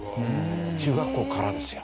中学校からですよ。